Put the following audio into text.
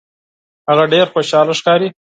هغه ډیر خوشحاله ښکاري.